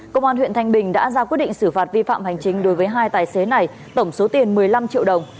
công an huyện thanh bình đã ra quyết định xử phạt vi phạm hành chính đối với hai tài xế này tổng số tiền một mươi năm triệu đồng